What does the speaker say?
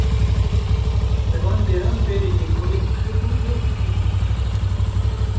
Li van deran berê lêkolîn kiribû û hîn bûbû.